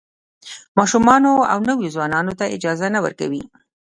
ماشومانو او نویو ځوانانو ته اجازه نه ورکوي.